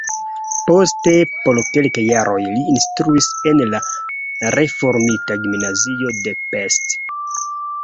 Poste por kelkaj jaroj li instruis en la reformita gimnazio de Pest.